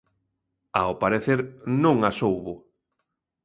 Ao parecer non as houbo.